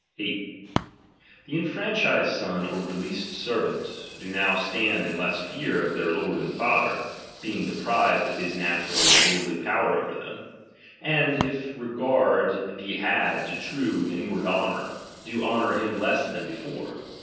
8. The eiifranchised son or released servant, ^^^^''^•°"^"' <iIo now stand in less fear of their lord ^nA father, ma bnk. Tieing deprived of his natural and lordly power over them ; and, if regard be had to true and in "ward honour, do honour him less than before.